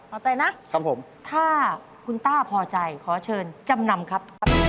เอาแต่นะครับผมถ้าคุณต้าพอใจขอเชิญจำนำครับ